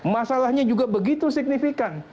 masalahnya juga begitu signifikan